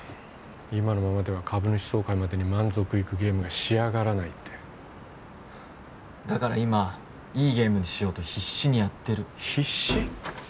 今のままでは株主総会までに満足いくゲームが仕上がらないってだから今いいゲームにしようと必死にやってる必死？